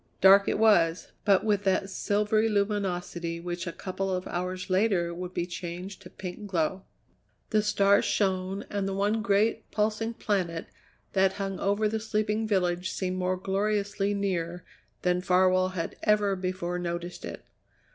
Dark it was, but with that silvery luminosity which a couple of hours later would be changed to pink glow. The stars shone, and the one great, pulsing planet that hung over the sleeping village seemed more gloriously near than Farwell had ever before noticed it.